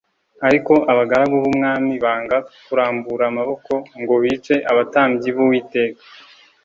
Ariko abagaragu b’umwami banga kurambura amaboko ngo bice abatambyi b’Uwiteka.